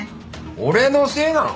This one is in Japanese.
俺のせいなの！？